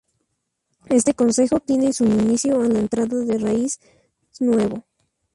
Este concejo tiene su inicio a la entrada de Raíces Nuevo.